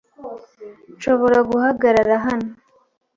Nshobora guhagarara hano?